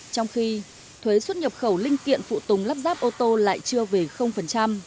trong khi thuế xuất nhập khẩu linh kiện phụ tùng lắp ráp ô tô lại chưa về